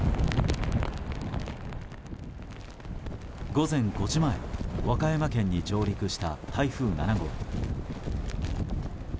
午前５時前和歌山県に上陸した台風７号。